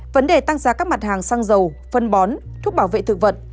vấn đề tăng giá các mặt hàng xăng dầu phân bón thuốc bảo vệ thực vật